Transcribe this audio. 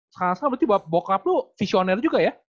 sekarang sekan berarti bokap lu visioner juga ya